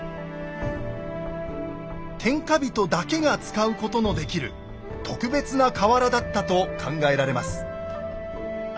天下人だけが使うことのできる特別な瓦だったと考えられます。